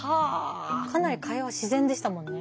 かなり会話自然でしたもんね。